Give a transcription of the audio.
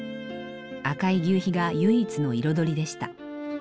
赤い求肥が唯一の彩りでした。